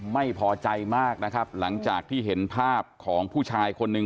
ไม่พอใจมากนะครับหลังจากที่เห็นภาพของผู้ชายคนหนึ่ง